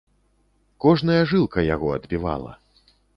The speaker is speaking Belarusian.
Кожная жылка яго адбівала.